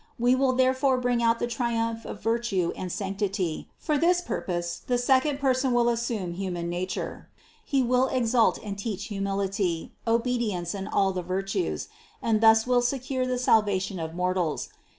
We will therefore bring out the triumph of virtue and sanctity; for this purpose the sec ond Person will assume human nature; He will exalt and teach humility, obedience and all the virtues, and thus will secure the salvation of mortals.